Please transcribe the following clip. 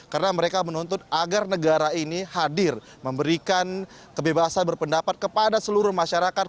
karena mereka menuntut agar negara ini hadir memberikan kebebasan berpendapat kepada seluruh masyarakat